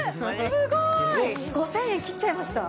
すごーい５０００円切っちゃいました